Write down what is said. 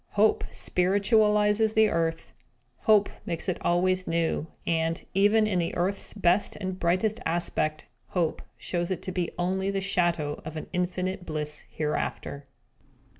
Hope spiritualises the earth; Hope makes it always new; and, even in the earth's best and brightest aspect, Hope shows it to be only the shadow of an infinite bliss hereafter!